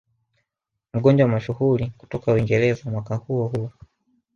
Mgonjwa mashuhuri kutoka Uingereza mwaka huo huo